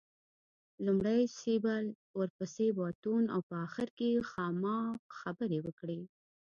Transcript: لومړی سېبل ورپسې باتون او په اخر کې خاما خبرې وکړې.